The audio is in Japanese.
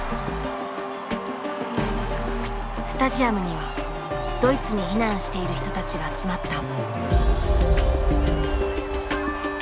スタジアムにはドイツに避難している人たちが集まった。